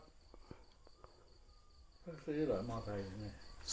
จื้อเหรอออนไซค์